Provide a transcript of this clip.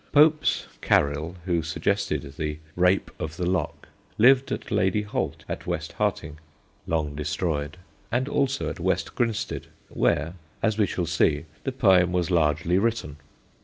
Pope's Caryll, who suggested The Rape of the Lock, lived at Lady Holt at West Harting (long destroyed) and also at West Grinstead, where, as we shall see, the poem was largely written.